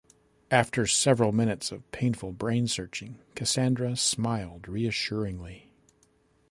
After several minutes of painful brain-searching, Cassandra smiled reassuringly.